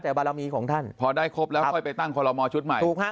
แต่บารมีของท่านพอได้ครบแล้วค่อยไปตั้งคอลโมชุดใหม่ถูกฮะ